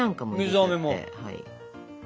水あめも。